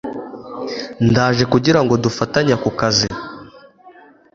Ndaje kugira ngo dufatanye ako kazi